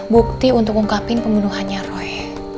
bukti untuk ungkapin pembunuhannya roy